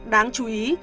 đáng chú ý